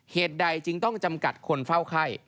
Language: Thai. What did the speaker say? เหตุใดจึงต้องจำกัดคนเฝ้าไข้